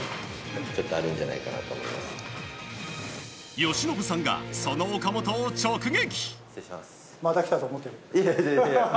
由伸さんがその岡本を直撃。